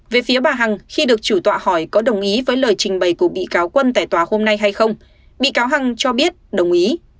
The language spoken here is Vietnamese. về phía bà hằng khi được chủ tọa hỏi có đồng ý với lời trình bày của bị cáo quân tại tòa hôm nay hay không bị cáo hằng cho biết đồng ý